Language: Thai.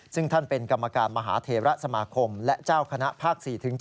ซึ่งท่านเป็นกรรมการมหาเทระสมาคมและเจ้าคณะภาค๔๗